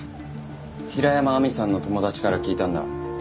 平山亜美さんの友達から聞いたんだ。